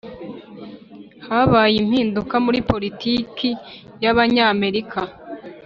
[habaye impinduka muri politiki yabanyamerika.